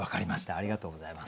ありがとうございます。